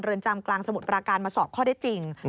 เรือนจำกลางสมุดปราการมาสอบข้อเท็จจริง